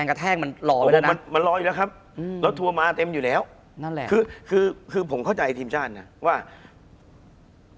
คุณผู้ชมบางท่าอาจจะไม่เข้าใจที่พิเตียร์สาร